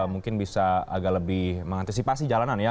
mungkin bisa agak lebih mengantisipasi jalanan ya